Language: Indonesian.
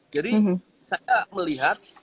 jadi saya melihat